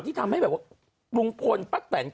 ที่ทำให้แบบว่าลุงปนปั๊บแต่ง